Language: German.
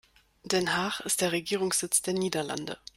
Den Haag ist der Regierungssitz der Niederlande.